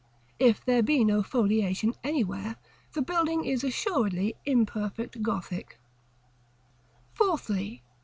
If there be no foliation anywhere, the building is assuredly imperfect Gothic. § CX. Fourthly.